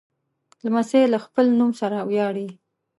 لمسی له خپل نوم سره ویاړي.